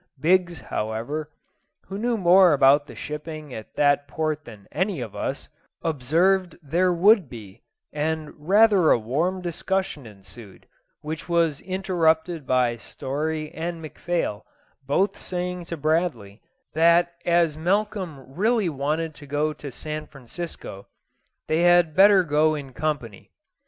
Biggs, however, who knew more about the shipping at that port than any of us, observed there would be; and rather a warm discussion ensued, which was interrupted by Story and McPhail both saying to Bradley, that as Malcolm really wanted to go to San Francisco, they had better go in company.